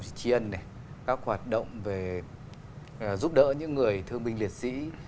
các hoạt động tri ân các hoạt động giúp đỡ những người thương minh liệt sĩ